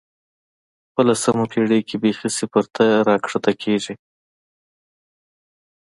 په لسمه پېړۍ کې بېخي صفر ته راښکته کېږي.